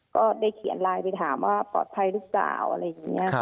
ก็ได้เขียนไลน์ไปถามว่าปลอดภัยหรือเปล่าอะไรอย่างนี้